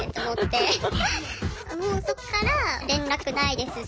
もうそっから連絡ないですし。